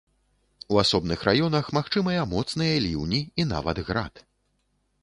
У асобных раёнах магчымыя моцныя ліўні і нават град.